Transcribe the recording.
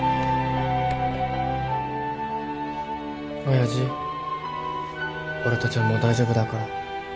親父俺たちはもう大丈夫だから。